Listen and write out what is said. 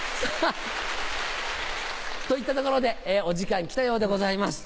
といったところでお時間来たようでございます。